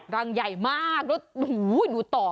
รังใหญ่มากรถนูต่อ